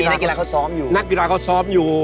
แล้วมีนักกีฬาเขาซ้อมอยู่